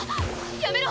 やめろ！